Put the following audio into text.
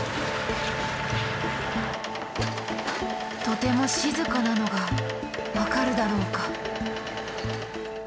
とても静かなのが分かるだろうか。